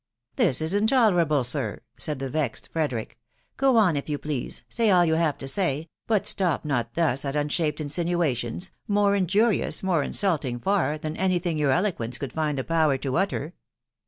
" This is intolerable, sir/' said the vexed Frederick. "G« on, if you please ; say all you have to say, but stop not dm at unshaped insinuations, more injurious, more insulting £n^ than any thing your eloquence could find the power to utter."